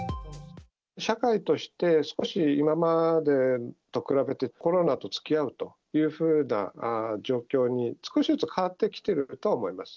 社会として、少し今までと比べて、コロナとつきあうというふうな状況に、少しずつ変わってきているとは思います。